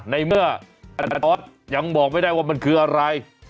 ในเมื่อก๊อฟยังบอกไม่ได้ว่ามันคืออะไร